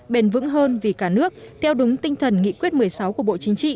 bền vững hơn vì cả nước theo đúng tinh thần nghị quyết một mươi sáu của bộ chính trị